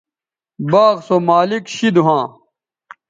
باغ سو مالک شید ھواں